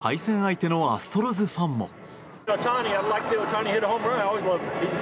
一方、対戦相手のアストロズファンも。